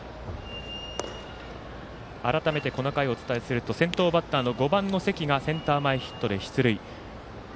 改めてこの回お伝えすると先頭バッター５番の小保内がセンター前ヒットで出塁。